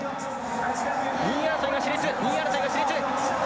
２位争いがし烈、２位争いがし烈。